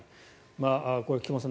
これは菊間さん